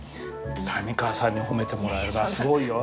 谷川さんに褒めてもらえるのはすごいよ。